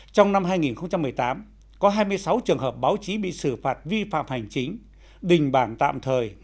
trong năm hai nghìn một mươi tám có hai mươi sáu trường hợp báo chí bị xử phạt vi phạm hành chính đình bảng tạm thời